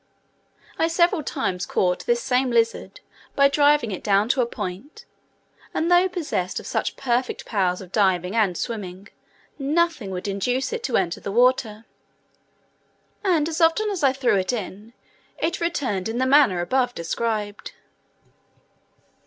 I several times caught this same lizard, by driving it down to a point, and though possessed of such perfect powers of diving and swimming, nothing would induce it to enter the water; and as often as I threw it in, it returned in the manner above described.